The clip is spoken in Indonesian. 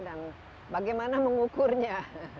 dan bagaimana mengukurnya